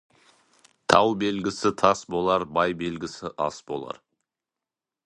Тау белгісі тас болар, бай белгісі ас болар.